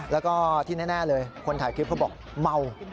แล้วก็ที่แน่เลยคนถ่ายคลิปเขาบอกเมา